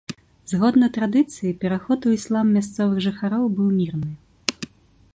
Згодна традыцыі, пераход у іслам мясцовых жыхароў быў мірны.